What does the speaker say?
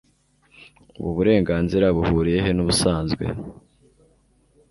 ubu burenganzira buhuriye he nubusanzwe